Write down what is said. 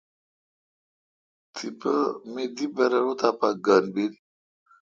تپہ می دی برر اتاں پا گھن بیل۔